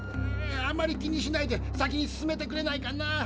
あまり気にしないで先に進めてくれないかな。